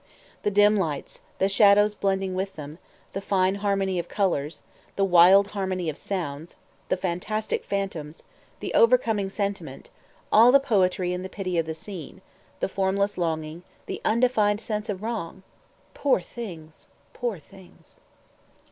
The dim lights, the shadows blending with them, the fine harmony of colors, the wild harmony of sounds, the fantastic phantoms, the overcoming sentiment, all the poetry and the pity of the scene, the formless longing, the undefined sense of wrong! Poor things, poor things!